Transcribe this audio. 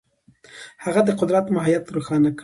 هغه د قدرت ماهیت روښانه کړ.